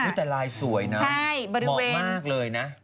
อุ๊ยแต่ลายสวยนะหมอกมากเลยนะบริเวณใช่บริเวณ